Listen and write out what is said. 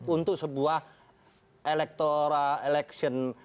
untuk sebuah elektoran eleksi